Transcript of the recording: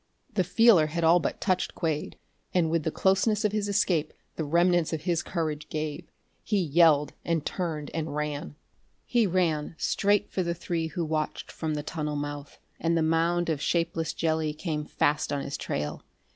The feeler had all but touched Quade, and with the closeness of his escape, the remnants of his courage gave. He yelled, and turned and ran. He ran straight for the three who watched from the tunnel mouth, and the mound of shapeless jelly came fast on his trail.